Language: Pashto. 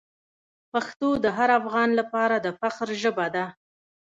پښتو د هر افغان لپاره د فخر ژبه ده.